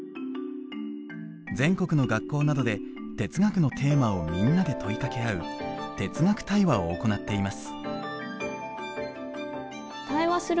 全国の学校などで哲学のテーマをみんなで問いかけ合う哲学対話を行っています。